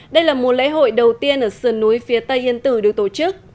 đây là mùa lễ hội đầu tiên ở sườn núi phía tây yên tử được tổ chức